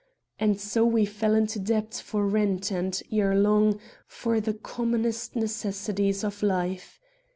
And so we fell into debt for rent and, ere long, for the commonest necessities of life.